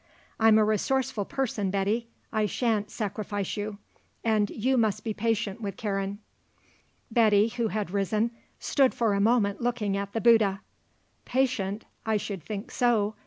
"I'm a resourceful person, Betty. I shan't sacrifice you. And you must be patient with Karen." Betty, who had risen, stood for a moment looking at the Bouddha. "Patient? I should think so.